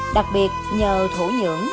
đặc biệt nhờ thủ nhưỡng